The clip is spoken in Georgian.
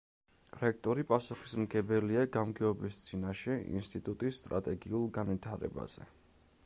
რექტორი პასუხისმგებელია გამგეობის წინაშე ინსტიტუტის სტრატეგიულ განვითარებაზე.